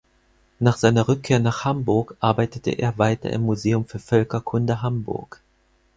Nach seiner Rückkehr nach Hamburg arbeitete er weiter im Museum für Völkerkunde Hamburg.